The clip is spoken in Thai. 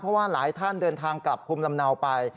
เพราะว่าหลายท่านเดินทางกลับภูมิลำเนาไป